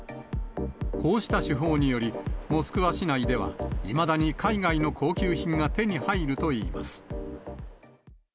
こうした手法により、モスクワ市内ではいまだに海外の高級品が手に入るといいます。